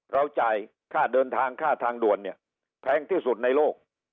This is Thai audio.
จ่ายค่าเดินทางค่าทางด่วนเนี่ยแพงที่สุดในโลก